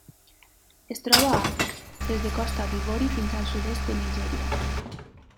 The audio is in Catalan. Es troba a Àfrica: des de Costa d'Ivori fins al sud-est de Nigèria.